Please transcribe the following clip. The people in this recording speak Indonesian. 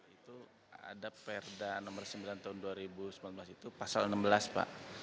itu ada perda nomor sembilan tahun dua ribu sembilan belas itu pasal enam belas pak